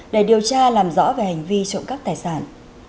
để điều tra làm rõ về hành vi trộm cắp tài sản